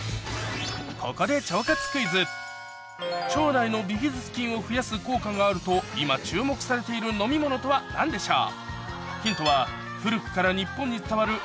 ここで腸内のビフィズス菌を増やす効果があると今注目されている飲み物とは何でしょう？